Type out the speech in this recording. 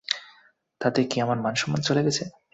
তাতে কি আমার মানসম্মান চলে গেছে?